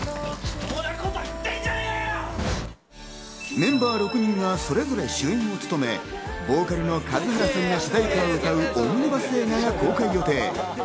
メンバー６人がそれぞれ主演を務め、ボーカルの数原さんが主題歌を歌うオムニバス映画も公開予定。